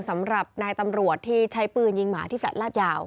สำหรับนายตำรวจที่ใช้ปืนยิงหมาที่แฟลต์ลาดยาว